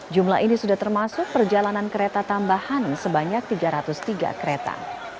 jumlah ini sudah termasuk perjalanan kereta tambahan sebanyak tiga ratus tiga kereta